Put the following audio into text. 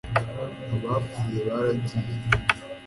abapfuye baragiye